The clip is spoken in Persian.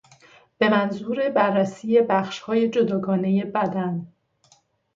به منظور بررسی بخشهای جداگانهی بدن